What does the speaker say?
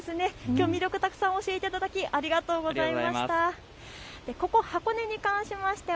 きょう魅力をたくさん教えていただきありがとうございました。